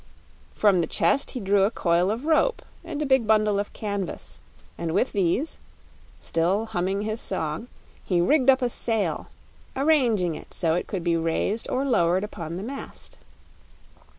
From the chest he drew a coil of rope and a big bundle of canvas, and with these still humming his song he rigged up a sail, arranging it so it could be raised or lowered upon the mast.